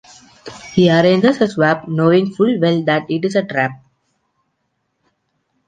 He arranges a swap, knowing full well that it is a trap.